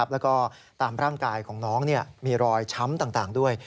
แล้วก็ตามร่างกายของน้องมีรอยช้ำต่างด้วย